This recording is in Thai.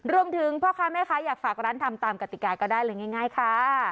พ่อค้าแม่ค้าอยากฝากร้านทำตามกติกาก็ได้เลยง่ายค่ะ